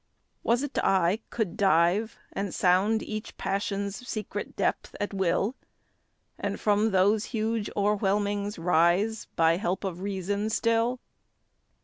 Was't I could dive, and sound each passion's secret depth at will? And from those huge o'erwhelmings rise, by help of reason still?